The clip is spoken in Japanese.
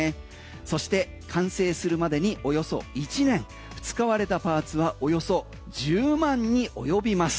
そして完成するまでにおよそ１年使われたパーツはおよそ１０万に及びます。